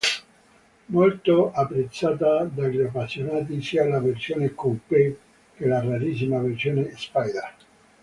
Molto apprezzata dagli appassionati sia la versione "coupé", che la rarissima versione "spider".